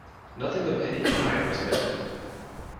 Nothing of any kind was missing.